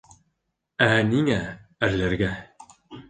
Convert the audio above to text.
Ә ниңә... әрләргә?